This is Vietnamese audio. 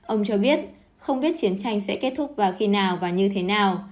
ông cho biết không biết chiến tranh sẽ kết thúc vào khi nào và như thế nào